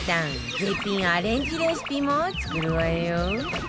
絶品アレンジレシピも作るわよ